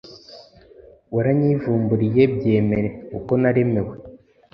waranyivumburiye byemere kuko Naremewe